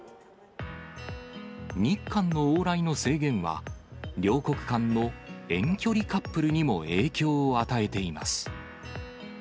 日韓の往来の制限は、両国間の遠距離カップルにも影響を与えています。